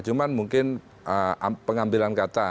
cuma mungkin pengambilan kata